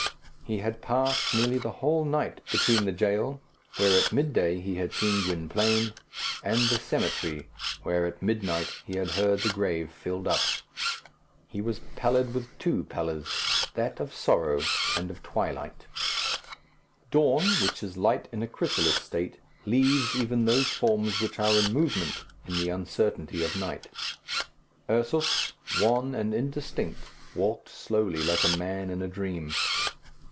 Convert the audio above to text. He had passed nearly the whole night between the jail, where at midday he had seen Gwynplaine, and the cemetery, where at midnight he had heard the grave filled up. He was pallid with two pallors that of sorrow and of twilight. Dawn, which is light in a chrysalis state, leaves even those forms which are in movement in the uncertainty of night. Ursus, wan and indistinct, walked slowly, like a man in a dream.